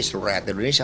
seluruh rakyat indonesia